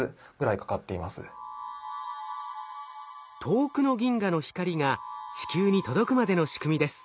遠くの銀河の光が地球に届くまでの仕組みです。